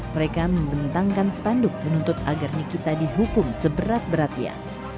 mereka membentangkan spanduk menuntut agar nikita dihukum seberat beratnya